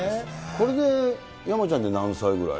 これで山ちゃんで何歳ぐらい？